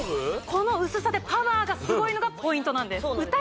この薄さでパワーがすごいのがポイントなんですいや